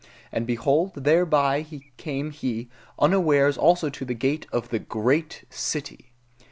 And behold, thereby came he unawares also to the gate of the GREAT CITY.